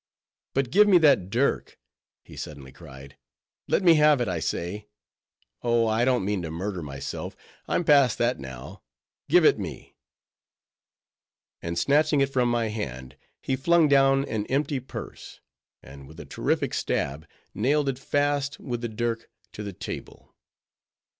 "But give me that dirk," he suddenly cried—"let me have it, I say. Oh! I don't mean to murder myself—I'm past that now—give it me"—and snatching it from my hand, he flung down an empty purse, and with a terrific stab, nailed it fast with the dirk to the table.